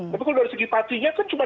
tapi kalau dari segi patinya kan cuma